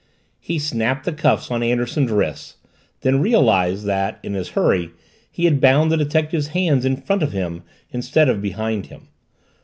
He snapped the cuffs on Anderson's wrists, then realized that, in his hurry, he had bound the detective's hands in front of him instead of behind him.